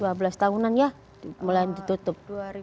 dua belas tahunan ya mulai ditutup